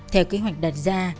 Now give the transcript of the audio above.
theo kế hoạch đặt ra